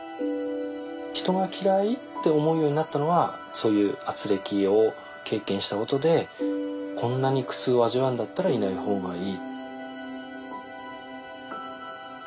人が嫌いって思うようになったのはそういうあつれきを経験したことでこんなに苦痛を味わうんだったらいない方がいい。